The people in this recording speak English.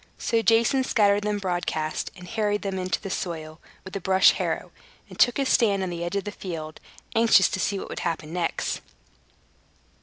So Jason scattered them broadcast, and harrowed them into the soil with a brush harrow, and took his stand on the edge of the field, anxious to see what would happen next.